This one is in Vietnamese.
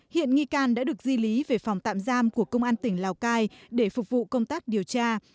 hiện nghi can đã được di lý về phòng tạm giam của công an tỉnh lào cai để phục vụ công tác điều tra